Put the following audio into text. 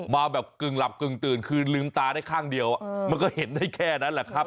มาแบบกึ่งหลับกึ่งตื่นคือลืมตาได้ข้างเดียวมันก็เห็นได้แค่นั้นแหละครับ